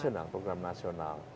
ini program nasional pak rahmat